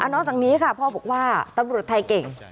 นอกจากนี้ค่ะพ่อบอกว่าตำรวจไทยเก่ง